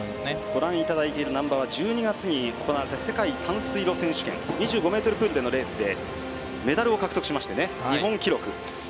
ご覧いただいている難波は１２月に行われた世界短水路選手権２５ｍプールでのレースでメダルを獲得して、日本記録。